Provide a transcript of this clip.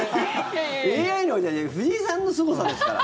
ＡＩのほうじゃなくて藤井さんのすごさですから。